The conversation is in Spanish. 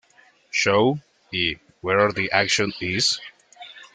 Show" y "Where the Action Is".